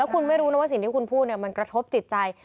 คุณไม่รู้นะว่าสิ่งที่คุณพูดมันกระทบจิตใจ